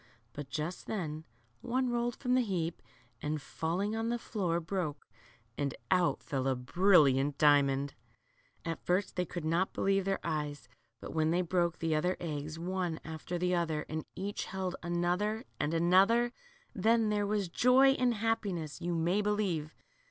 But just then one rolled from the heap and, falling on the floor, broke, and out fell a brilliant diamond ! At first they could not believe their eyes, but when they broke the other eggs, one after the other, and each held another and another, then there was joy and happiness, you may belie v e.